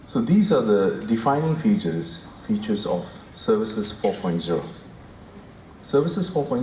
jadi inisiatif baru ini adalah fitur fitur yang menentukan perkembangan teknologi digital di sektor jasa dan ukm